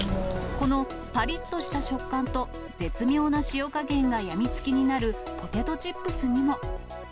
このぱりっとした食感と、絶妙な塩加減が病みつきになるポテトチップスにも。